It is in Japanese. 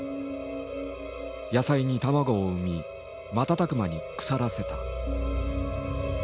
野菜に卵を産み瞬く間に腐らせた。